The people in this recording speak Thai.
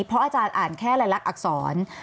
เพราะอาจารย์อ่านแค่รายลักษณอักษร